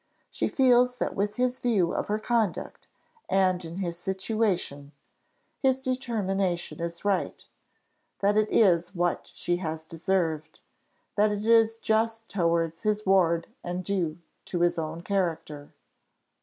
She feels that with his view of her conduct, and in his situation, his determination is right, that it is what she has deserved, that it is just towards his ward and due to his own character.